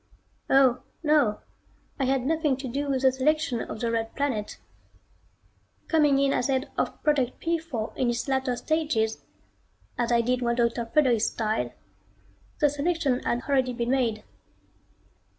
Oh, no, I had nothing to do with the selection of the Red Planet. Coming in as head of Project P 4 in its latter stages, as I did when Dr. Fredericks died, the selection had already been made.